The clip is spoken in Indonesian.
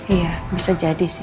iya bisa jadi sih